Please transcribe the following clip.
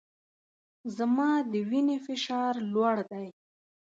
زما د وینې فشار لوړ دی